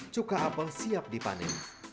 cuka apel siap dipanen